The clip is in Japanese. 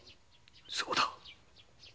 そうだ！